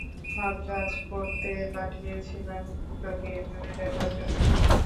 মাদ্রাজ পড়তে পাঠিয়েছিলাম, তোকে এভাবে দেখার জন্য?